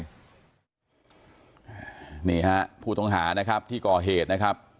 อันนี้ใช่ผู้ท้องหานะครับที่กรเฮดนะครับ